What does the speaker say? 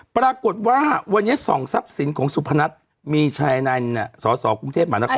ปรากฏว่าวันนี้ส่องทรัพย์สินของสุพนัทมีชายในสสกรุงเทพมหานคร